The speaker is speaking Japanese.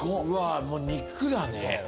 もう肉だね。